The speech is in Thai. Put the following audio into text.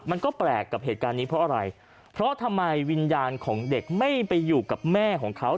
มันก็แปลกกับเหตุการณ์นี้เพราะอะไรเพราะทำไมวิญญาณของเด็กไม่ไปอยู่กับแม่ของเขา